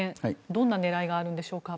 どんな狙いがあるんでしょうか？